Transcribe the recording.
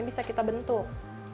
ini bisa kita bentuk